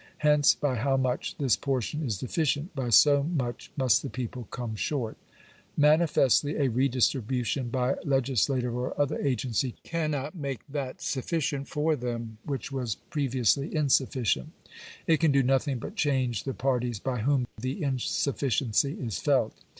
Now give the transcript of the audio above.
Hence, by how much this portion is deficient, by so much must the people come short. Manifestly a re distribution by legislative or other agency cannot make that sufficient for them which was pre viously insufficient. It can do nothing but change the parties hj whom the insufficiency is felt.